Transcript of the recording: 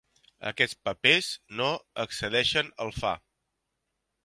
Aquests papers no excedeixen el Fa.